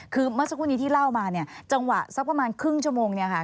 คือเมื่อสักครู่นี้ที่เล่ามาเนี่ยจังหวะสักประมาณครึ่งชั่วโมงเนี่ยค่ะ